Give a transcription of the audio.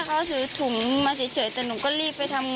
เขาถือถุงมาเฉยแต่หนูก็รีบไปทำงาน